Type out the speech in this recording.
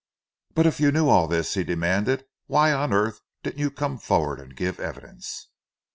"But if you knew all this," he demanded, "why on earth didn't you come forward and give evidence?"